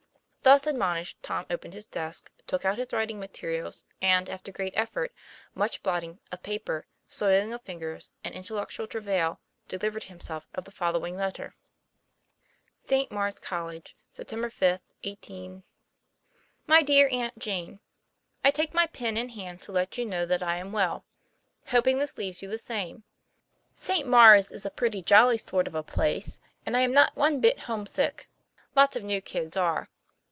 Thus admonished, Tom opened his desk, took out his writing materials, and after great effort, much blotting of paper, soiling of fingers, and intellectual travail, delivered himself of the following letter: ST. MARS COLLEGE, Sept. 5, 1 8 8 . MY DEAR AUNT JANE: I take my pen in hand to let you know that i am well, hope ing this leaves you the same. St. Mars is a pretty jolly sort of a place; and i am not one bit home sick; lots of new kids are.